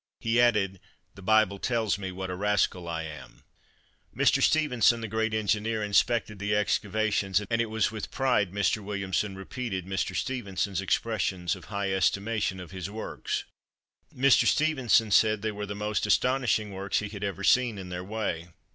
He added, "The Bible tells me what a rascal I am." Mr. Stephenson, the great engineer, inspected the excavations, and it was with pride Mr. Williamson repeated Mr. Stephenson's expressions of high estimation of his works. Mr. Stephenson said they were the most astonishing works he had ever seen in their way.